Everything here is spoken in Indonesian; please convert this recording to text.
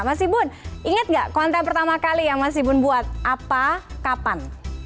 mas ibu ingat nggak konten pertama kali yang mas ibu buat apa kapan